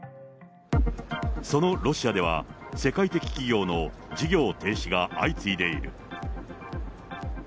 そのロシアでは、世界的企業の事業停止が相次いでいる。